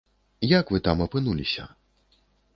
Як вы там апынуліся?